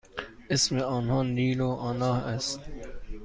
اسم آنها نیل و آنا است.